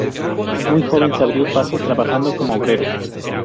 Muy joven se abrió paso trabajando como obrero.